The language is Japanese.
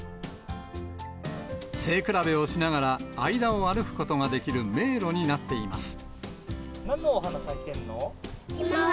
背比べをしながら、間を歩くことができる迷路になっています。